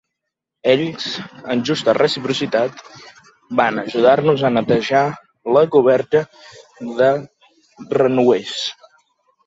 Ells, en justa reciprocitat, van ajudar-nos a netejar la coberta de renouers.